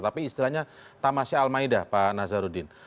jadi istilahnya tamasyah al maida pak nazarudin